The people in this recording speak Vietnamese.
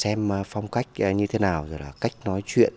thế nhưng mà xem phong cách như thế nào rồi là cách nói chuyện